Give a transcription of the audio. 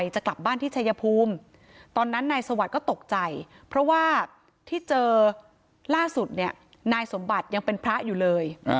เจอล่าสุดเนี่ยนายสมบัติยังเป็นพระอยู่เลย